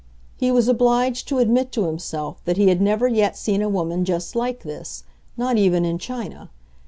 He was obliged to admit to himself that he had never yet seen a woman just like this—not even in China.